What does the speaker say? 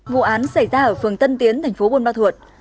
vụ án xảy ra ở phường tân tiến thành phố buôn ma thuột